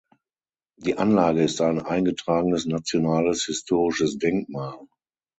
Die Anlage ist ein eingetragenes Nationales Historisches Denkmal.